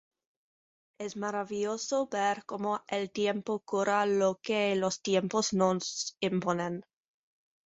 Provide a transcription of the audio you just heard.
Es maravilloso ver cómo el tiempo cura lo que los Tiempos nos imponen.